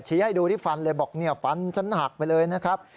ให้ดูที่ฟันเลยบอกเนี่ยฟันฉันหักไปเลยนะครับ